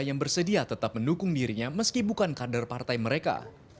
yang bersedia tetap mendukung dirinya meski bukan kader partai mereka